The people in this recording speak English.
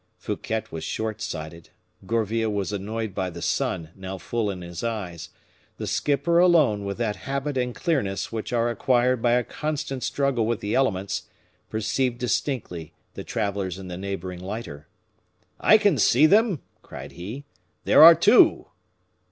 Fouquet was short sighted, Gourville was annoyed by the sun, now full in his eyes; the skipper alone, with that habit and clearness which are acquired by a constant struggle with the elements, perceived distinctly the travelers in the neighboring lighter. "I can see them!" cried he; "there are two."